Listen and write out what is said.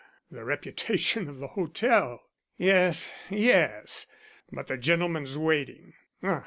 The reputation of the hotel " "Yes, yes, but the gentleman's waiting.